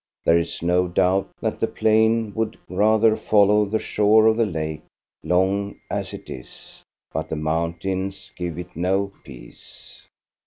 There is no doubt that the plain would Tather follow the shore of the lake, long as it is, but the mountains give it no peace.